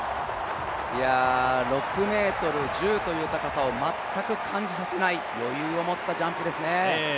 ６ｍ１０という高さを全く感じさせない、余裕を持ったジャンプですね。